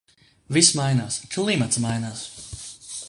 Viss mainās... Klimats mainās.